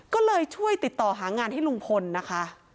ก็เลยช่วยติดต่อหางานให้ลุงพลนะคะ